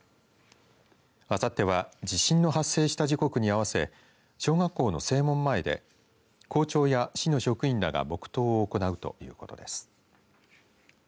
あさっては地震の発生した時刻に合わせ小学校の正門前で校長や市の職員らが黙とうを行うということです。